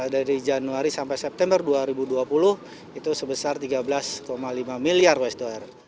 dari januari sampai september dua ribu dua puluh itu sebesar tiga belas lima miliar usd